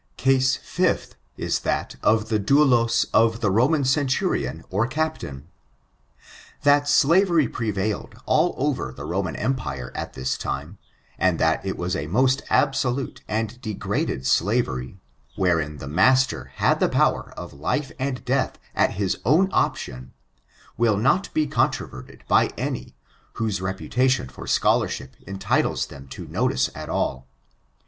Case fifth, is that of the dotdos of the Roman centurion or captain. That slavery prevailed all over the Roman Empire at this time, and that it was a most absolute and degraded slavery, wherein the master had the power of life and death at his own option, will not be contro verted by any, whose reputation for scholarship entitles them to any notice at all.